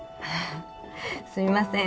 すいません。